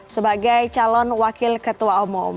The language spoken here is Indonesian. sebagai calon wakil ketua umum